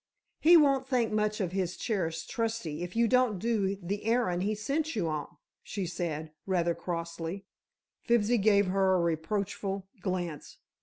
"He won't think much of his cherished trusty, if you don't do the errand he sent you on," she said, rather crossly. Fibsy gave her a reproachful glance.